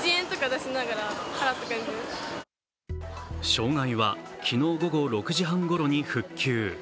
障害は昨日午後６時半ごろに復旧